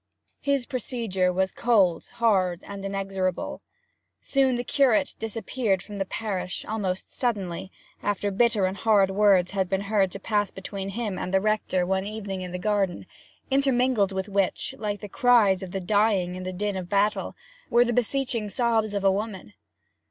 His procedure was cold, hard, and inexorable. Soon the curate disappeared from the parish, almost suddenly, after bitter and hard words had been heard to pass between him and the rector one evening in the garden, intermingled with which, like the cries of the dying in the din of battle, were the beseeching sobs of a woman.